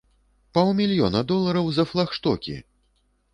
Паўмільёна долараў за флагштокі!